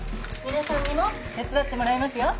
皆さんにも手伝ってもらいますよ。